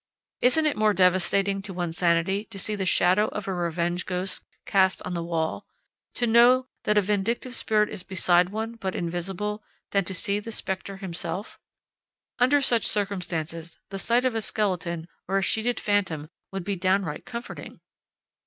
Isn't it more devastating to one's sanity to see the shadow of a revenge ghost cast on the wall, to know that a vindictive spirit is beside one but invisible than to see the specter himself? Under such circumstances, the sight of a skeleton or a sheeted phantom would be downright comforting.